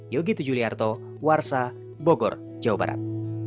yogi tujuliarto warsa bogor jawa barat